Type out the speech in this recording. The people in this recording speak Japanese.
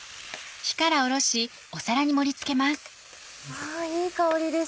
わいい香りです。